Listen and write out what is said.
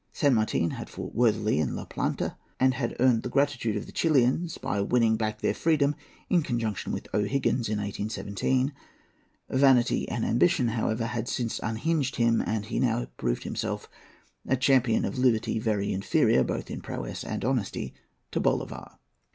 San Martin had fought worthily in La Plata, and he had earned the gratitude of the Chilians by winning back their freedom in conjunction with O'Higgins in 1817. Vanity and ambition, however, had since unhinged him, and he now proved himself a champion of liberty very inferior, both in prowess and in honesty, to Bolivar.